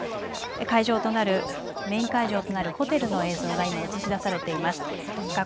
会場となるメイン会場となるホテルの映像が今映し出されています。